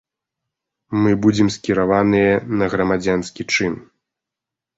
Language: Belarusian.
Мы будзем скіраваныя на грамадзянскі чын.